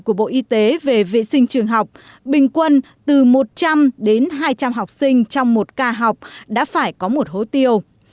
của bộ y tế về vệ sinh trường học bình quân từ một trăm linh đến hai trăm linh học sinh trong một ca học đã phải có một hố tiêu